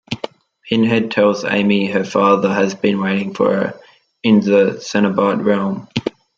Pinhead tells Amy her father has been waiting for her in the Cenobite realm.